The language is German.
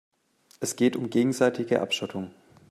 Es geht um gegenseitige Abschottung.